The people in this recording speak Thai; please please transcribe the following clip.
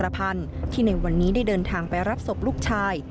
พูดไม่สูญ